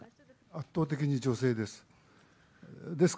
圧倒的に女性です。